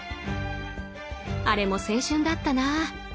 あれも青春だったな。